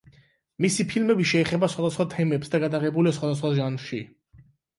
მისი ფილმები შეეხება სხვადასხვა თემებს და გადაღებულია სხვადასხვა ჟანრში.